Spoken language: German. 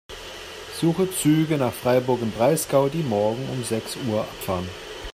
Suche Züge nach Freiburg im Breisgau, die morgen um sechs Uhr abfahren.